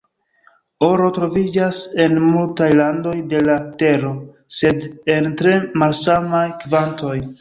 Oro troviĝas en multaj landoj de la Tero, sed en tre malsamaj kvantoj.